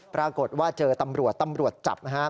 ปรากฏว่าเจอตำรวจตำรวจจับนะฮะ